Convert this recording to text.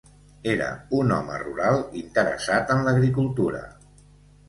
Era un home rural, interessat en l'agricultura.